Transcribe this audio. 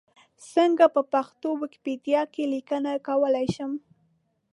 څنګه په پښتو ویکیپېډیا کې لیکنه کولای شم؟